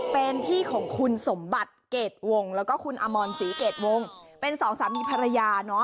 เป็นที่ของคุณสมบัติเกรดวงแล้วก็คุณอมรศรีเกรดวงเป็นสองสามีภรรยาเนาะ